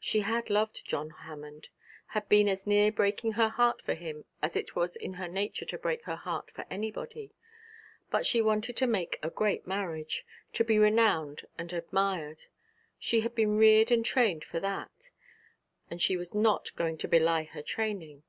She had loved John Hammond had been as near breaking her heart for him as it was in her nature to break her heart for anybody; but she wanted to make a great marriage, to be renowned and admired. She had been reared and trained for that; and she was not going to belie her training.